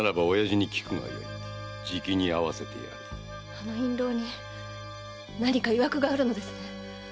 あの印籠に何か曰くがあるのですね。